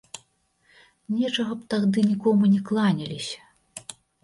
Нечага б тагды нікому не кланяліся.